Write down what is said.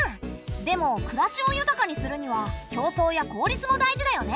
でも暮らしを豊かにするには競争や効率も大事だよね。